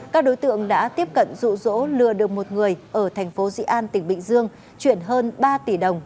các đối tượng đã tiếp cận rụ rỗ lừa được một người ở tp di an tỉnh bình dương chuyển hơn ba tỷ đồng